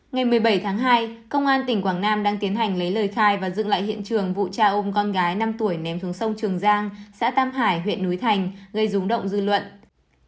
ngày một mươi bảy tháng hai công an tỉnh quảng nam đang tiến hành lấy lời khai và dựng lại hiện trường vụ cha ông con gái năm tuổi ném xuống sông trường giang xã tam hải huyện núi thành gây rúng động dư luận